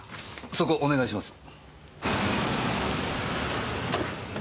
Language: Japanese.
そこお願いします。